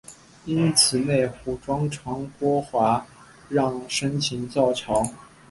因此内湖庄长郭华让申请造桥。